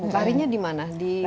larinya dimana di bukit juga